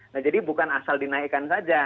nah jadi bukan asal dinaikkan saja